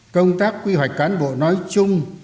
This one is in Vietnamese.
công tác quy hoạch cán bộ nói chung